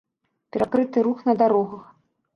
Перакрыты рух на дарогах.